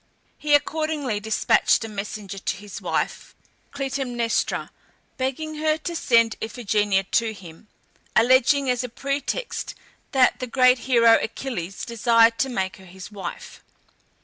He, accordingly, despatched a messenger to his wife, Clytemnæstra, begging her to send Iphigenia to him, alleging as a pretext that the great hero Achilles desired to make her his wife.